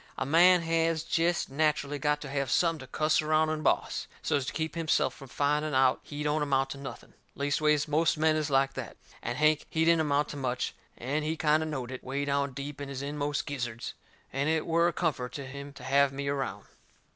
A man has jest naturally got to have something to cuss around and boss, so's to keep himself from finding out he don't amount to nothing. Leastways, most men is like that. And Hank, he didn't amount to much; and he kind o' knowed it, way down deep in his inmost gizzards, and it were a comfort to him to have me around.